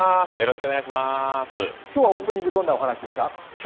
今日はオープニング、どんなお話ですか？